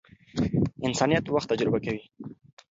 انسان وخت تجربه کوي.